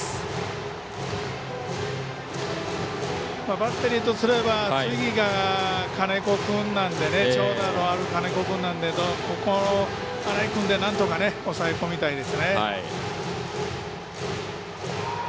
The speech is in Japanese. バッテリーとすれば、次が長打のある金子君なのでここを新井君でなんとか抑え込みたいですね。